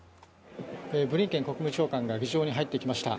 ブリンケン国務長官が議場に入ってきました。